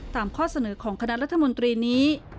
ข้อเสนอของคณะรัฐมนตรีนี้